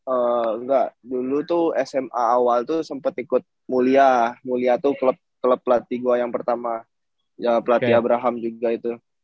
enggak dulu tuh sma awal tuh sempat ikut mulia mulia tuh klub klub pelatih gue yang pertama ya pelatih abraham juga itu